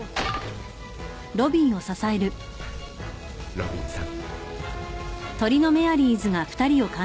ロビンさん。